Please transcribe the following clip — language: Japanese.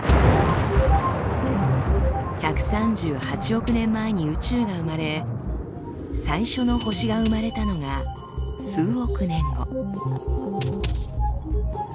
１３８億年前に宇宙が生まれ最初の星が生まれたのが数億年後。